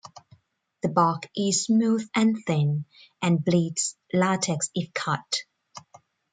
The bark is smooth and thin, and bleeds latex if cut.